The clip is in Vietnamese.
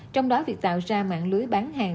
trong đó việc tạo ra mạng lưới bán hàng